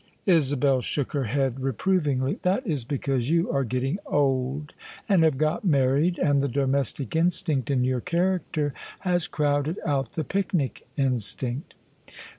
Isabel shook her head reprovingly. " That is because you are getting old, and have got married, and the domestic instinct in your character has crowded out the picnic in stinct."